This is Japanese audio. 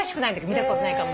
見たことないから。